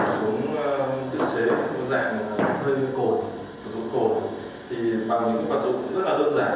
súng tự chế có dạng hơi như cổ súng cổ thì bằng những vật dụng rất là đơn giản